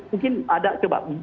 mungkin ada coba